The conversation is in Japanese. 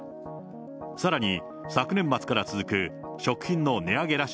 さらに、昨年末から続く食品の値上げ